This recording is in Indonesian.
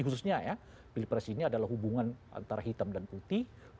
khususnya ya pilpres ini adalah hubungan antara hitam dan putih